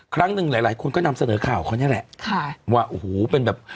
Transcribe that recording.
ครั้งหนึ่งหลายหลายคนก็นำเสนอข่าวเขานี่แหละค่ะว่าโอ้โหเป็นแบบ